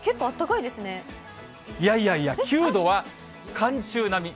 いやいやいや、９度は寒中並み。